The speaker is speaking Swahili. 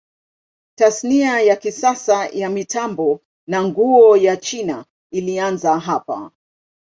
Tasnia ya kisasa ya mitambo na nguo ya China ilianza hapa.